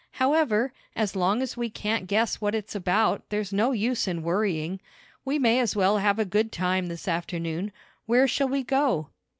However, as long as we can't guess what it's about there's no use in worrying. We may as well have a good time this afternoon. Where shall we go?"